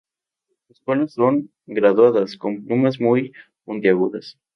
Sus colas son graduadas, con plumas muy puntiagudas.